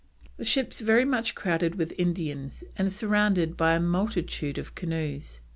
The ships very much crowded with Indians and surrounded by a multitude of canoes.